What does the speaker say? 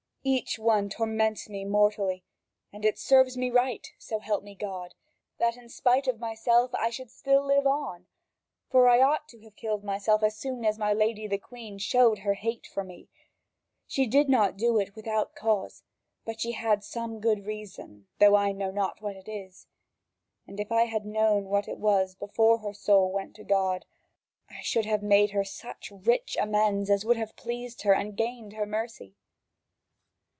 Each one torments me mortally; and it serves me right, so help me God, that in spite of myself I should still live on. For I ought to have killed myself as soon as my lady the Queen showed her hate for me; she did not do it without cause, but she had some good reason, though I know not what it is. And if I had known what it was before her soul went to God, I should have made her such rich amends as would have pleased her and gained her mercy.